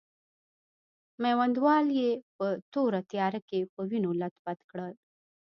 میوندوال یې په توره تیاره کې په وینو لت پت کړ.